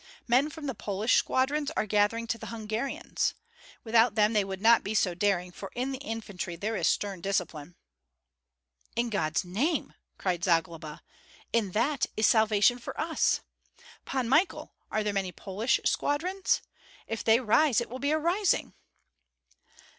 Men from the Polish squadrons are gathering to the Hungarians. Without them they would not be so daring, for in the infantry there is stern discipline." "In God's name!" cried Zagloba. "In that is salvation for us. Pan Michael, are there many Polish squadrons? If they rise, it will be a rising!"